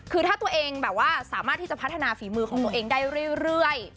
คือถ้าตัวเองแบบว่าสามารถที่จะพัฒนาฝีมือของตัวเองได้เรื่อย